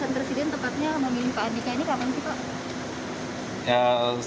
presiden tepatnya memilih pak andika ini kapan sih pak